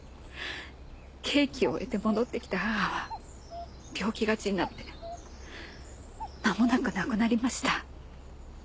刑期を終えて戻ってきた母は病気がちになってまもなく亡くなりました。